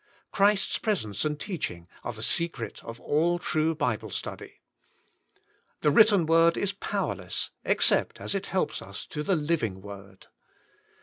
Christ's presence and teaching are the secret of all true Bible study. The written Word is powerless, except as it helps us to the Living Word.